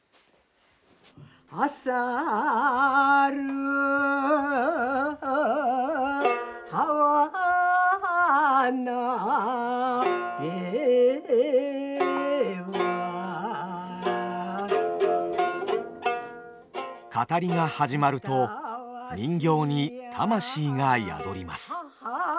あさるあはなれば語りが始まると人形に魂が宿ります。